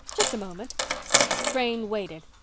"Just a moment." Crane waited.